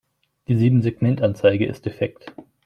Die Siebensegmentanzeige ist defekt.